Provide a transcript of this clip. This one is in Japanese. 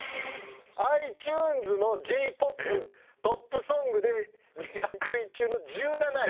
ｉＴｕｎｅｓのＪ−ＰＯＰトップソングで２００位中の１７位。